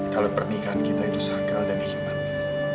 kalau pernikahan kita itu sakral dan dihinati